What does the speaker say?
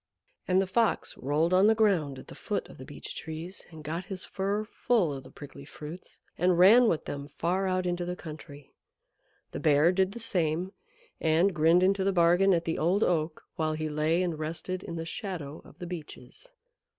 And the Fox rolled on the ground at the foot of the Beech Trees and got his fur full of the prickly fruits, and ran with them far out into the country. The Bear did the same, and grinned into the bargain at the Old Oak while he lay and rested in the shadow of the Beeches.